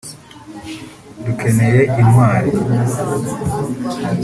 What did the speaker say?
“Dukeneye intwari